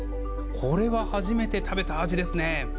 これは初めて食べた味ですね。